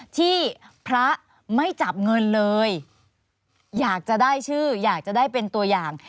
ที่พระไม่จับเงินเลยอยากจะได้ชื่ออยากจะได้เป็นตัวอย่าง